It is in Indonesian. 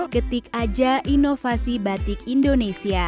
ketik aja inovasi batik indonesia